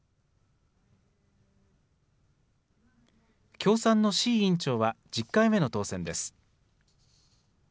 共産の志位委員長は１０回目の当選です。